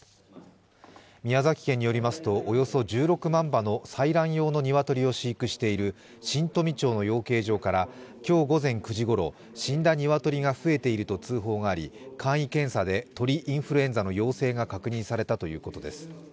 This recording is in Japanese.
宮崎県によりますと、およそ１６万羽の採卵用の鶏を飼育している新富町の養鶏場から今日午前９時ごろ、死んだニワトリが増えていると通報があり簡易検査で鳥インフルエンザの陽性が確認されたということです。